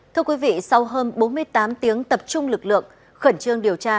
thưa quý vị sau hơn bốn mươi tám tiếng tập trung lực lượng khẩn trương điều tra